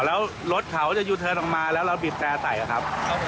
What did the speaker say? แล้วรถเขาจะยืดเทิดออกมาแล้วเราบีบแตร่ใส่เหรอครับ